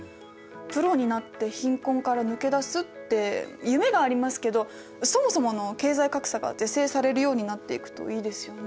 プロになって貧困から抜け出すって夢がありますけどそもそもの経済格差が是正されるようになっていくといいですよね。